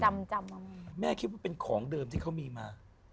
จำจำมาแม่คิดว่าเป็นของเดิมที่เขามีมา